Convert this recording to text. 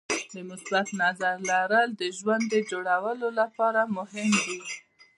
د مثبت نظر لرل د ژوند جوړولو لپاره مهم دي.